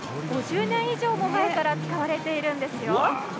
５０年以上も前から使われているんですよ。